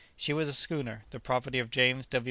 She was a schooner, the property of James W.